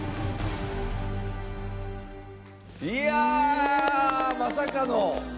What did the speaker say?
いやー、まさかの。